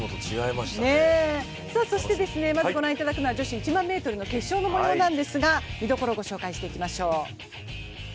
そして、御覧いただくのは女子１００００ｍの決勝の模様なんですが、見どころ御紹介していきましょう。